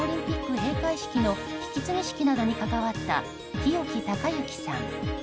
閉会式の引継式などに関わった日置貴之さん。